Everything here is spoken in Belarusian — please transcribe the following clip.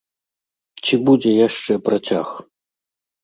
Ці будзе яшчэ працяг?